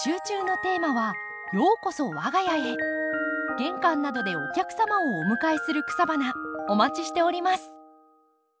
玄関などでお客様をお迎えする草花お待ちしております。